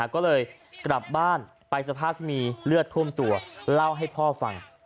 ก็เลยกลับบ้านไปสภาพที่มีเลือดท่วมตัวเล่าให้พ่อฟัง